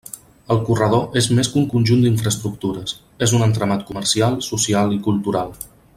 El corredor és més que un conjunt d'infraestructures: és un entramat comercial, social i cultural.